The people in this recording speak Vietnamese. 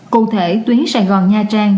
cụ thể tuyến sài gòn nha trang